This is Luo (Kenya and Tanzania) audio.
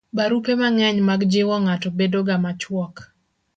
barupe mang'eny mag jiwo ng'ato bedo ga machuok